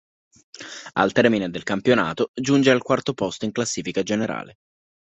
Al termine del campionato giunge al quarto posto in classifica generale.